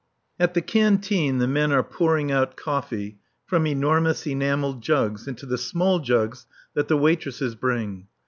At the canteen the men are pouring out coffee from enormous enamelled jugs into the small jugs that the waitresses bring.